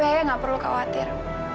tapi ayah nggak perlu khawatir